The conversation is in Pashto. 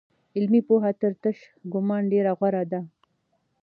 علمي پوهه تر تش ګومان ډېره غوره ده.